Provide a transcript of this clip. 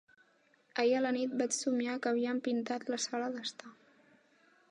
Ahir a la nit vaig somiar que havíem pintat la sala d'estar.